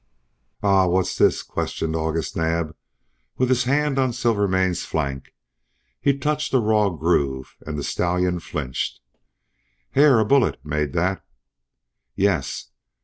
"Ah! What's this?" questioned August Naab, with his hand on Silvermane's flank. He touched a raw groove, and the stallion flinched. "Hare, a bullet made that!" "Yes."